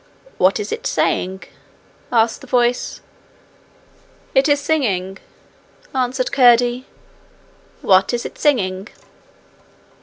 'What is it saying?' asked the voice. 'It is singing,' answered Curdie. 'What is it singing?'